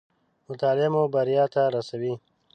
مطالعه مو بريا ته راسوي